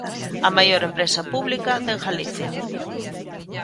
A maior empresa pública de Galicia.